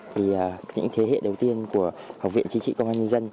thì những thế hệ đầu tiên của học viện chính trị công an nhân dân